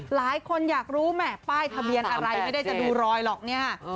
หลายคนอยากรู้แหมป้ายทะเบียนอะไรไม่ได้จะดูรอยหรอกเนี่ย